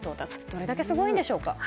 どれだけすごいんでしょうか。